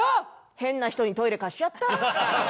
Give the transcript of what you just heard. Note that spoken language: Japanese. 変な人にトイレ貸しちゃった。